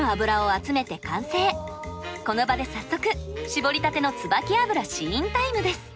この場で早速搾りたてのつばき油試飲タイムです。